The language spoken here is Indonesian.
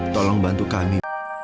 tolong bantu kami